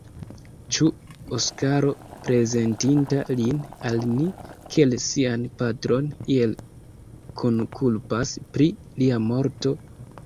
Ĉu Oskaro, prezentinta lin al ni, kiel sian patron, iel kunkulpas pri lia morto?